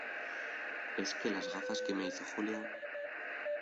es que las gafas que me hizo Julia